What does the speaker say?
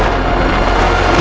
kami akan menangkap kalian